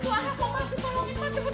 suara mau kasih tolongin pak cepetan